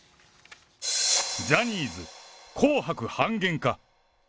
ジャニーズ紅白半減か。